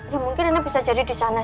ya mungkin rina bisa jadi disana